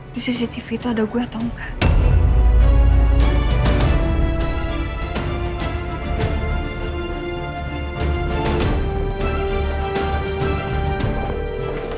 di cctv itu ada gue atau enggak